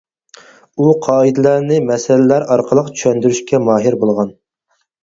ئۇ قائىدىلەرنى مەسەللەر ئارقىلىق چۈشەندۈرۈشكە ماھىر بولغان.